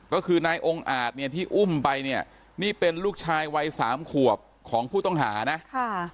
ก็คือนายองค์อาจเนี่ยที่อุ้มไปเนี่ยนี่เป็นลูกชายวัยสามขวบของผู้ต้องหานะค่ะ